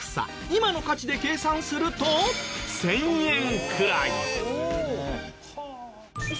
今の価値で計算すると１０００円くらい。